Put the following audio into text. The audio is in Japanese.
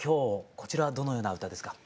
こちらはどのような歌ですか？